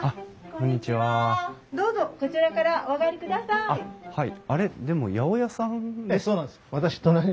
こちらからお上がりください。